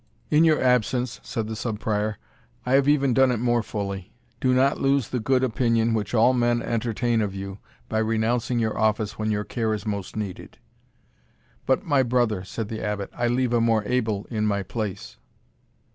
"In your absence," said the Sub Prior, "I have even done it more fully. Do not lose the good opinion which all men entertain of you, by renouncing your office when your care is most needed." "But, my brother," said the Abbot, "I leave a more able in my place."